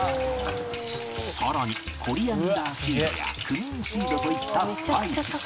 さらにコリアンダーシードやクミンシードといったスパイス